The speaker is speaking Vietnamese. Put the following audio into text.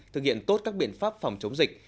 thực hiện tốt các biện pháp phòng chống dịch